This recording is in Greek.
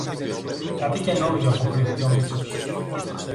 Κάτι καινούριο, αποκρίθηκε ο Μήτσος